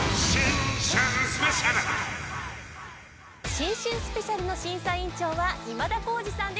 「新春ＳＰ」の審査委員長は今田耕司さんです。